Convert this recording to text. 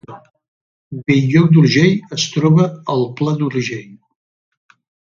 Bell-lloc d’Urgell es troba al Pla d’Urgell